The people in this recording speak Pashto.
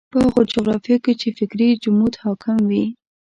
په هغو جغرافیو کې چې فکري جمود حاکم وي.